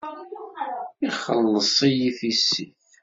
Ixelleṣ-iyi tissit.